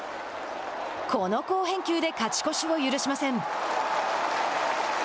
この好返球で勝ち越しを許しません。